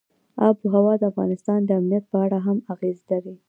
آب وهوا د افغانستان د امنیت په اړه هم اغېز لري.